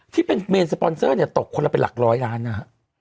ที่เป็นเมนสปอนเซอร์เนี่ยตกคนละเป็นหลักร้อยล้านนะฮะ